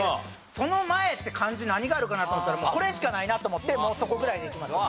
その前って漢字何があるかなと思ったらもうこれしかないなと思ってもうそこぐらいでいきました。